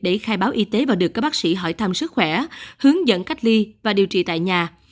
để khai báo y tế và được các bác sĩ hỏi thăm sức khỏe hướng dẫn cách ly và điều trị tại nhà